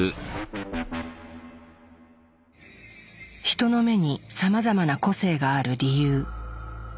ヒトの目にさまざまな個性がある理由。